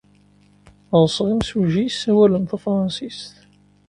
Ɣseɣ imsujji yessawalen tafṛansit.